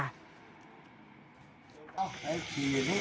เอาไอ้ขี่อยู่นี่